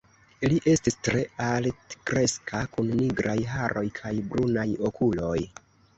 Li estis tre altkreska kun nigraj haroj kaj brunaj okuloj.